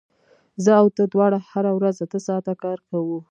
زه او ته دواړه هره ورځ اته ساعته کار کوو